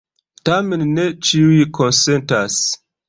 Tamen ne ĉiuj konsentas.